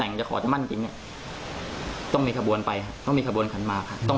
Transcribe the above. เพื่อจะไปขอน้องเขาว่าวันนี้แต่งงานอย่างถูกต้อง